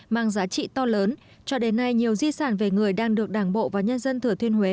mang giá trị to lớn cho đến nay nhiều di sản về người đang được đảng bộ và nhân dân thừa thuyên huế